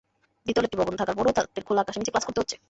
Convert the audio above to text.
দ্বিতল একটি ভবন থাকার পরও তাদের খোলা আকাশের নিচে ক্লাস করতে হচ্ছে।